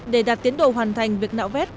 để đạt tiến độ hoàn thành việc nạo vét